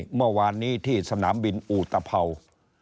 เมื่อวานนี้ที่สนามบินอุตภัวร์